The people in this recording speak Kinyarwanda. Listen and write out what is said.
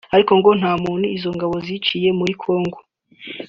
ariko ngo nta muntu izo ngabo ziciye muri Kongo